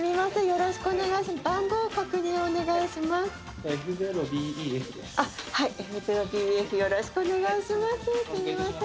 よろしくお願いします